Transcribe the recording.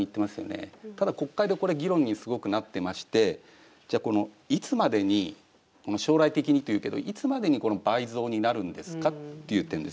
ただ国会でこれ議論にすごくなってましてじゃあいつまでに将来的にと言うけどいつまでにこの倍増になるんですかっていう点ですよね一つは。